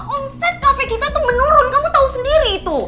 omset kafe kita tuh menurun kamu tahu sendiri tuh